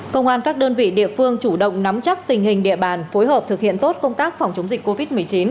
công an các đơn vị địa phương chủ động nắm chắc tình hình địa bàn phối hợp thực hiện tốt công tác phòng chống dịch covid một mươi chín